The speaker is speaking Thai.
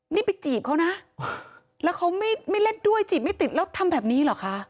นี่ไปจีบเขานะแล้วเขาไม่เล่นด้วยจีบไม่ติดแล้วทำแบบนี้เหรอคะ